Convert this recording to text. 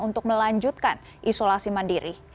untuk melanjutkan isolasi mandiri